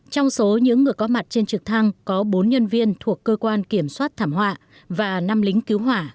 trong số những người có mặt trên trực thăng có bốn nhân viên thuộc cơ quan kiểm soát thảm họa và năm lính cứu hỏa